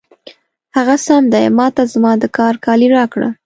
هغه سم دی، ما ته زما د کار کالي راکړه.